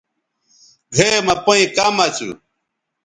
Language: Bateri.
گھئے مہ پئیں کم اسُو۔